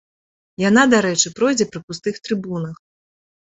Яна, дарэчы, пройдзе пры пустых трыбунах.